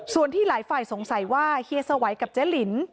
ส่วนที่หลายฝ่ายสงสัยว่าเฮียสวัยกับเจ๊ลิน